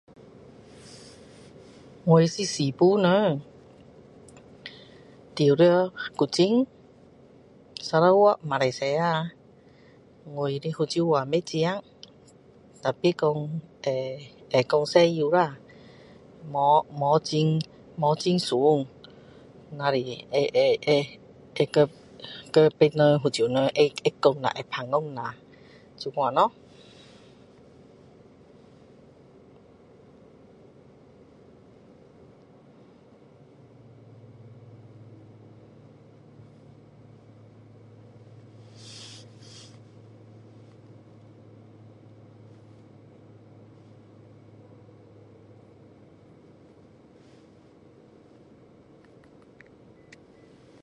我是sibu 人住在古晋Sarawak马来西亚我的福州话不会正tapi 说会会说多少啦没有没有很顺只是会会跟别人福州人会讲下聊天下